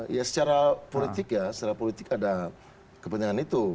ya secara politik ya secara politik ada kepentingan itu